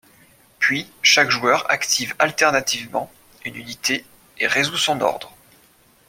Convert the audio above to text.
Puis chaque joueur active alternativement une unité et résout son ordre.